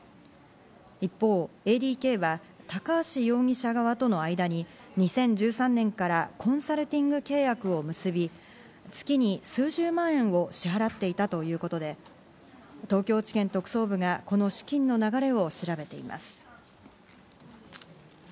一方、ＡＤＫは高橋容疑者側との間に２０１３年からコンサルティング契約を結び、月に数十万円を支払っていたということで、東京地検特捜部がこの資金の流れを調べています。